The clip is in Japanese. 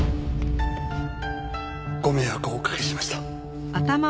ご迷惑をおかけしました。